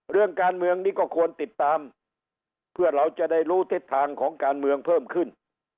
เรื่องการเมืองนี้ก็ควรติดตามเพื่อเราจะได้รู้ทิศทางของการเมืองเพิ่มขึ้น